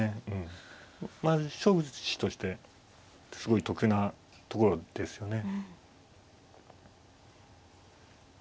まあ勝負師としてすごい得なところですよね。